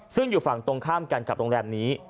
ซึ่งอยู่ฝั่งตรงข้ามกันกับโรงแรมนี้